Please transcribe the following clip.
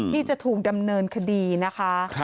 ที่จะถูกดำเนินคดีนะคะ